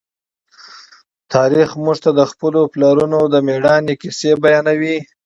تاریخ موږ ته د خپلو پلرونو د مېړانې کیسې بیانوي.